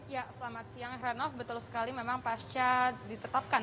ya selamat siang heranov betul sekali memang pasca ditetapkan